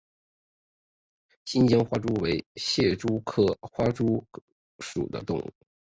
新疆花蛛为蟹蛛科花蛛属的动物。